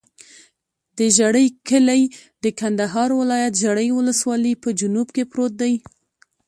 د ژرۍ کلی د کندهار ولایت، ژرۍ ولسوالي په جنوب کې پروت دی.